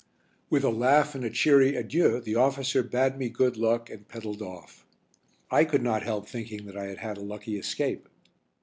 With a laugh and a cheery adieu the officer bade me good luck and pedalled off. I could not help thinking that I had had a lucky escape.